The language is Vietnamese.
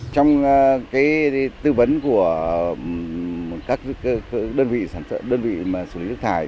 trong tư vấn của các đơn vị xử lý nước thải